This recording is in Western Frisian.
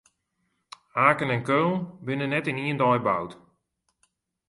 Aken en Keulen binne net yn ien dei boud.